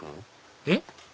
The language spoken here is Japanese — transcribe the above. えっ？